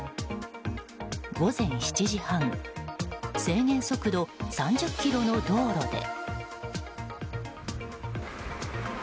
午前７時半制限速度３０キロの道路で。